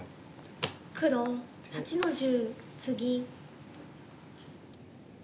黒８の十ツギ。